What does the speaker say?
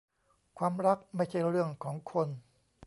ความรักไม่ใช่เรื่องของคน